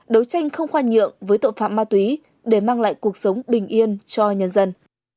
đấu tranh không khoan nhượng với tội phạm ma túy để mang lại cuộc sống bình yên cho nhân dân